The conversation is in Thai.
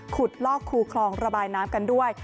ลอกคูคลองระบายน้ำกันด้วย